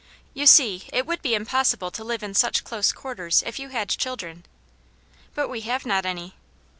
You see it would be impossible to live in such close quarters if you had children." But we have not any."